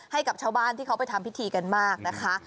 ให้กับชาวบ้านที่เขาไปทำพิธีกันมากนะคะ